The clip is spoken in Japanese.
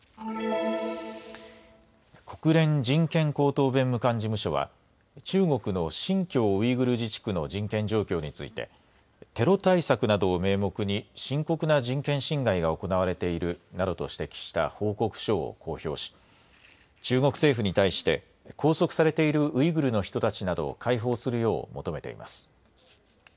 国連人権高等弁務官事務所は中国の新疆ウイグル自治区の人権状況についてテロ対策などを名目に深刻な人権侵害が行われているなどと指摘した報告書を公表し中国政府に対して拘束されているウイグルの人たちなどを解放するよう求めています。